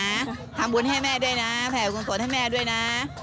ทำบุญให้แม่ด้วยนะแผ่กุศลให้แม่ด้วยนะ